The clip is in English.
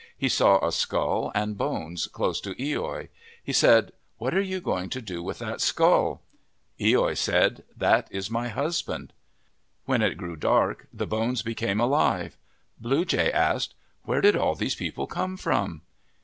He saw a skull and bones close to loi. He said, " What are you going to do with that skull ?' loi said, " That is my husband." When it grew dark, the bones became alive. Blue Jay asked, " Where did all these people come from